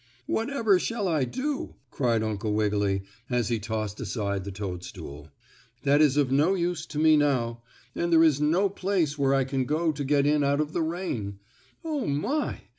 "Whatever shall I do?" cried Uncle Wiggily, as he tossed aside the toadstool. "That is of no use to me now, and there is no place where I can go to get in out of the rain. Oh, my!